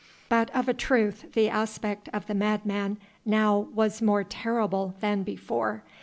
But of a truth the aspect of the madman now was more terrible than before.